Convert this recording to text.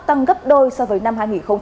tăng gấp đôi so với năm hai nghìn một mươi tám